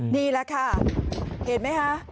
นี่แหละค่ะเห็นมั้ยฮะ